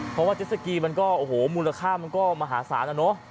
เพราะว่าเจสสกีมูลค่ามันก็มหาศาลนั่นน่ะ